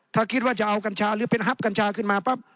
ถ้าคิดว่าจะเอากัญชาหรือเป็นฮับกัญชาขึ้นมาปั๊บ